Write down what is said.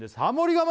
我慢